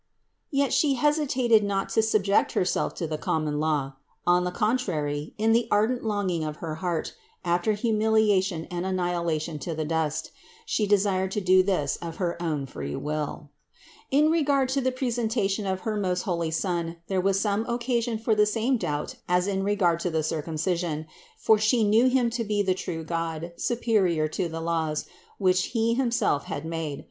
Yet She hesitated not to subject Herself to the common law; on the contrary, in the ar dent longing of her heart after humiliation and annihila tion to the dust, She desired to do this of her own free will. 496 THE INCARNATION 497 586. In regard to the presentation of her most holy Son there was some occasion for the same doubt as in regard to the Circumcision, for She knew Him to be the true God, superior to the laws, which He himself had made.